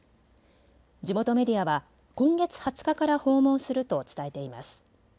地元メディアは今月２０日から訪問すると伝えています。